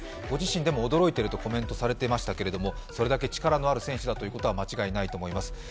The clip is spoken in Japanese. ご自身でも驚いてるとコメントされてましたけどそれだけ力のある選手だということは間違いないと思います。